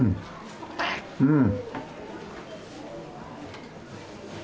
うん。